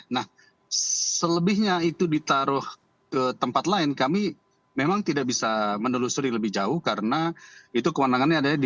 nah selebihnya itu ditaruh ke tempat lain kami memang tidak bisa menelusuri lebih jauh karena itu kewenangannya ada di